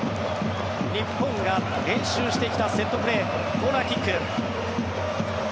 日本が練習してきたセットプレーコーナーキック。